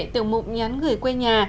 tiểu mục nhắn gửi quê nhà